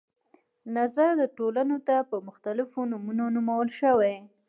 نظر د ټولنو ته په مختلفو نمونو نومول شوي.